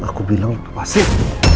aku bilang itu pasif